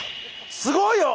すごいよ！